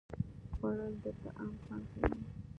خوړل د طعام خوند ښيي